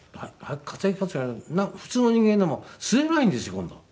普通の人間でも吸えないんですよ今度。